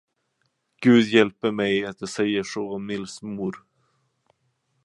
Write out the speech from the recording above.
Gud hjälpe mig, att jag säger så om Nils moder.